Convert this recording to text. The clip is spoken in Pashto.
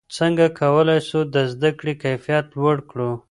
څنګه کولای سو د زده کړې کیفیت لوړ کړو؟